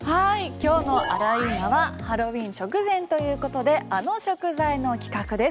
今日はハロウィーン直前ということであの食材の企画です。